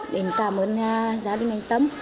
để cảm ơn gia đình anh tâm